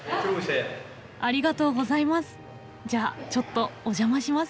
ありがとうございます。